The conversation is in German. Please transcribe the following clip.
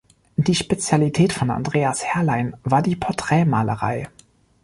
Die Spezialität von Andreas Herrlein war die Porträtmalerei.